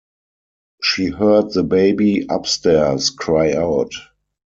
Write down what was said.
She heard the baby upstairs cry out.